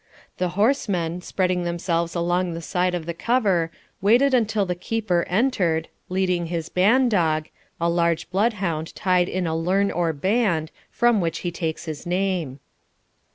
The horsemen, spreading themselves along the side of the cover, waited until the keeper entered, leading his ban dog, a large blood hound tied in a learn or band, from which he takes his name.